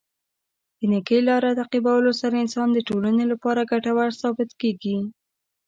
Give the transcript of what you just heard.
د نېکۍ لاره تعقیبولو سره انسان د ټولنې لپاره ګټور ثابت کیږي.